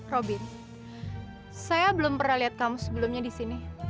robin saya belum pernah lihat kamu sebelumnya di sini